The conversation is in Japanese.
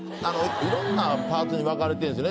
いろんなパーツに分かれてるんですよね